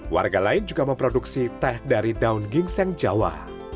warga lain juga memproduksi teh dari daun gingseng jawa